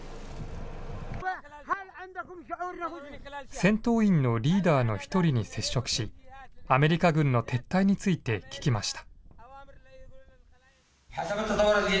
戦闘員のリーダーの一人に接触し、アメリカ軍の撤退について聞きました。